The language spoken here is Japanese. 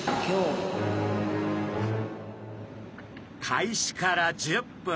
開始から１０分。